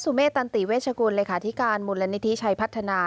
เมตตันติเวชกุลเลขาธิการมูลนิธิชัยพัฒนา